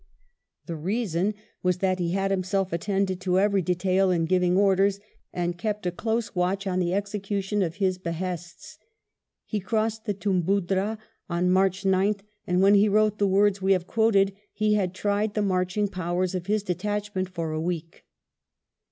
The reason was that he had himself attended to every detail in giving orders and had kept a close watch on the execution of his behests. He crossed the Toombuddra on March 9th, and when he wrote the words we have quoted he had tried the marching powers of his detachment for a week.